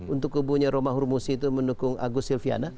untuk kubunya romah hurmusi itu mendukung agus silviana